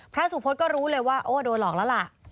พระสุพธก็รู้เลยว่าโอ้โดนหลอกแล้วล่ะ